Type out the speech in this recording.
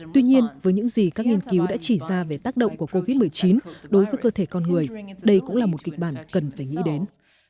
tuy nhiên với những gì các nghiên cứu đã chỉ ra về tác động của covid một mươi chín đối với cơ thể con người đây cũng là một kịch bản cần phải nghĩ đến